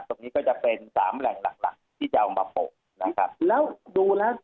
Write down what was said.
ตรงนี้ก็จะเป็นสามแหล่งหลักหลักที่จะเอามาพบนะครับ